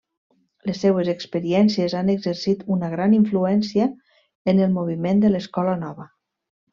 Les seues experiències han exercit una gran influència en el moviment de l'escola nova.